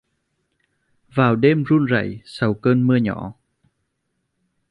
Vào đêm run rẩy sầu cơn mưa nhỏ